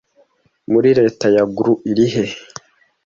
Muri Leta ya Guru irihe